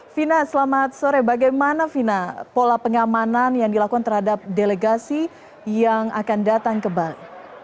vina selamat sore bagaimana vina pola pengamanan yang dilakukan terhadap delegasi yang akan datang ke bali